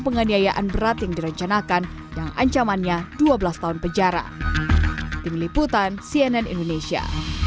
penganiayaan berat yang direncanakan dan ancamannya dua belas tahun penjara tim liputan cnn indonesia